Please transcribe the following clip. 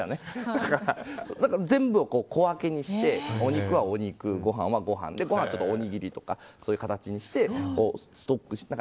全部を小分けにしてお肉はお肉、ご飯はご飯ご飯はおにぎりとかそういう形にしてストックして。